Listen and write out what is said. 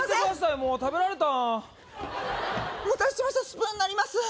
もう食べられたお待たせしましたスプーンになります